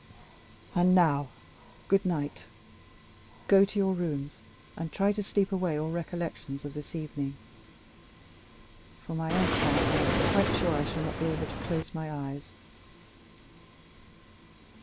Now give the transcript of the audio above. And now, good night; go to your rooms, and try to sleep away all recollections of this evening. For my own part, I am quite sure I shall not be able to close my eyes."